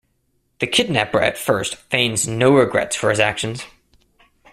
The kidnapper at first feigns no regrets for his actions.